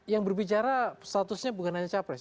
yang berbicara statusnya bukan hanya capres